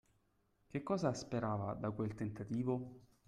Che cosa sperava da quel tentativo?